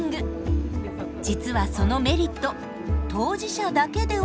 実はそのメリット当事者だけではないんです。